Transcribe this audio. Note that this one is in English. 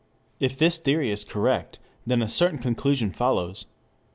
If this theory is correct, then a certain conclusion follows.